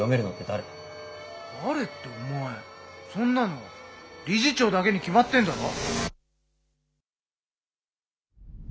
誰ってお前そんなの理事長だけに決まってんだろ？